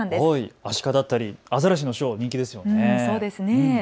アシカだったりアザラシのショー、人気ですよね。